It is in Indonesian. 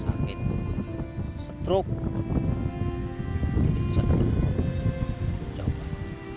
sakitnya bukan sakit biasa sakit strok